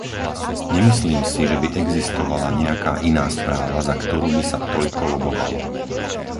Nemyslím si, že by existovala nejaká iná správa, za ktorú by sa toľko lobovalo.